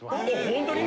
本当に？